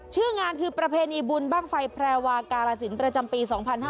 ชื่องานคือประเพณีบุญบ้างไฟแพรวากาลสินประจำปี๒๕๕๙